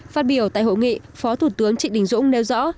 phát biểu tại hội nghị phó thủ tướng trịnh đình dũng nêu rõ